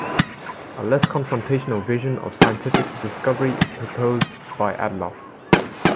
A less confrontational vision of scientific discovery is proposed by Adloff.